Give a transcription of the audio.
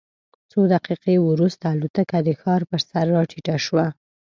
څو دقیقې وروسته الوتکه د ښار پر سر راټیټه شوه.